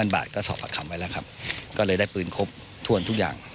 บาทก็สอบปากคำไว้แล้วครับก็เลยได้ปืนครบถ้วนทุกอย่าง